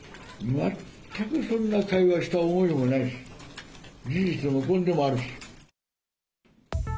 全くそんな会話した覚えもないし、事実無根でもあるし。